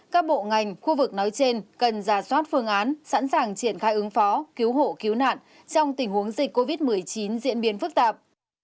các bộ ngành khu vực nói trên cần giả soát phương án sẵn sàng triển khai ứng phó cứu hộ cứu nạn trong tình huống dịch covid một mươi chín diễn biến phức tạp